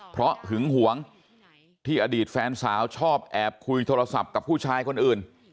เพราะหึงหวงที่อดีตแฟนสาวชอบแอบคุยโทรศัพท์กับผู้ชายคนอื่น